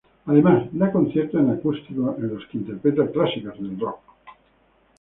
Además, da conciertos en acústico en los que interpreta clásicos del rock.